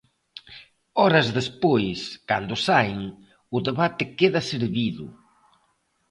Horas despois, cando saen, o debate queda servido.